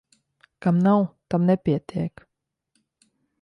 Kam nav, tam nepietiek.